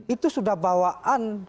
itu sudah bawaan